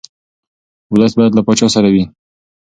ولس باید له پاچا سره وي.